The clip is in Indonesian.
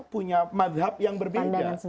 punya madhab yang berbeda